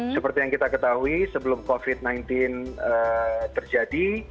seperti yang kita ketahui sebelum covid sembilan belas terjadi